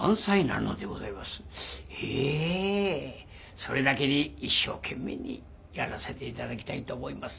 それだけに一生懸命にやらせて頂きたいと思います。